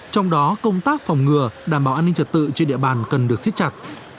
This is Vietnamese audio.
trong đó công tác phòng ngừa đảm bảo an ninh trật tự trên địa bàn cần được xích chặt